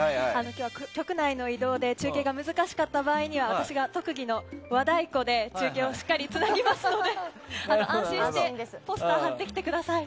今日は局内の移動で中継が難しかった場合には私が特技の和太鼓で中継をしっかりつなぎますので安心してポスターを貼ってきてください。